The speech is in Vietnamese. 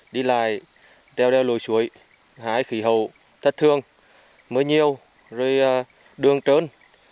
đi lại đeo đeo lùi suối hãi khí hậu thất thương mới nhiêu rồi đường trơn